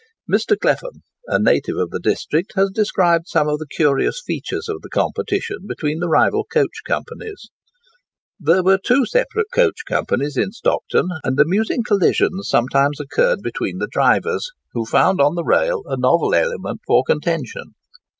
Mr. Clephan, a native of the district, has described some of the curious features of the competition between the rival coach companies:—"There were two separate coach companies in Stockton, and amusing collisions sometimes occurred between the drivers—who found on the rail a novel element for contention.